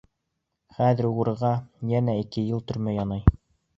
Хәҙер уғрыға йәнә ике йыл төрмә янай.